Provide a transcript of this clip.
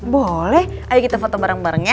boleh ayo kita foto bareng bareng ya